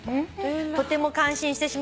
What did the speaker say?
「とても感心してしまいました。